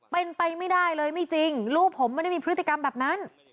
เป็นไปไม่ได้เลยไม่จริงลูกผมไม่ได้มีพฤติกรรมแบบนั้น